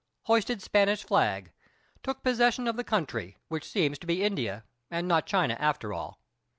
Hoisted Spanish flag; took possession of the country, which seems to be India, and not China, after all.